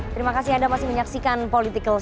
terima kasih anda masih menyaksikan politikkel show